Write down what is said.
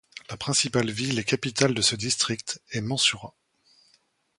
La principale ville et capitale de ce district est Mensura.